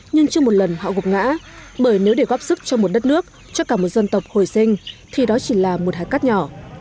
nhưng chưa một lần họ gục ngã bởi nếu để góp sức cho một đất nước cho cả một dân tộc hồi sinh thì đó chỉ là một hạt cắt nhỏ